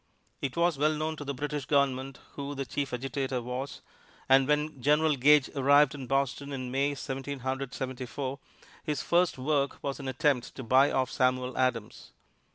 It was well known to the British Government who the chief agitator was, and when General Gage arrived in Boston in May, Seventeen Hundred Seventy four, his first work was an attempt to buy off Samuel Adams.